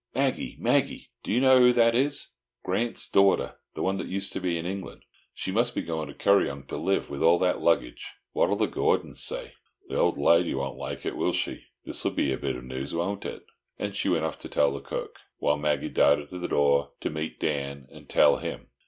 "Maggie! Maggie! Do you know who that is? Grant's daughter! The one that used to be in England. She must be going to Kuryong to live, with all that luggage. What'll the Gordons say? The old lady won't like it, will she? This'll be a bit of news, won't it?" And she went off to tell the cook, while Maggie darted to the door to meet Dan, and tell him.